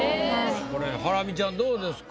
これハラミちゃんどうですか？